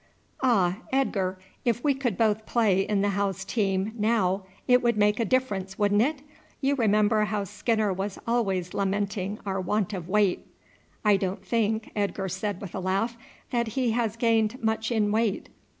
"Ah! Edgar, if we could both play in the house team now it would make a difference, wouldn't it? You remember how Skinner was always lamenting our want of weight." "I don't think," Edgar said with a laugh, "that he has gained much in weight.